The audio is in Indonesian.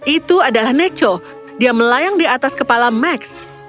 itu adalah neco dia melayang di atas kepala max